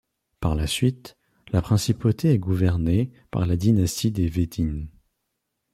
Par la suite, la principauté est gouvernée par la dynastie des Wettin.